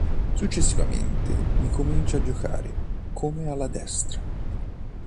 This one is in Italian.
Successivamente incomincia a giocare come ala destra.